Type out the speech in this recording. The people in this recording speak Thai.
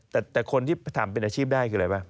แต่คนที่ทำเป็นอาชีพได้คืออะไรป่ะ